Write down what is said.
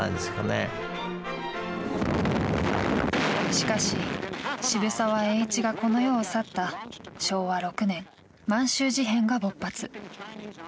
しかし、渋沢栄一がこの世を去った昭和６年満州事変が勃発。